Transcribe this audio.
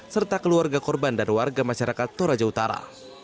serta keluarga korban dan warga masyarakat toraja utara